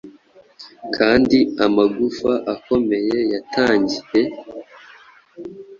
Kandi Amagufa akomeye yatangiye